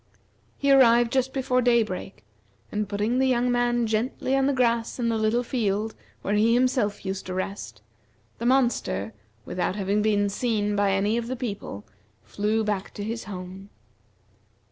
He arrived just before daybreak, and putting the young man gently on the grass in the little field where he himself used to rest, the monster, without having been seen by any of the people, flew back to his home.